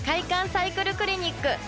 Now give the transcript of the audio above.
サイクルクリニック」。